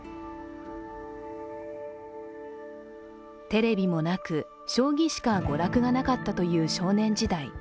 テレビもなく、将棋しか娯楽がなかったという少年時代。